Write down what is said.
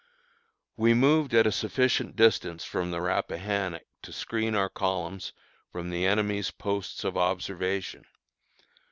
We moved at a sufficient distance from the Rappahannock to screen our columns from the enemy's posts of observation.